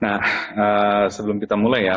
nah sebelum kita mulai ya